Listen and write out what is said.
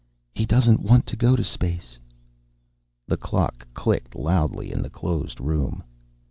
"He doesn't want to go to space." The clock clicked loudly in the closed room.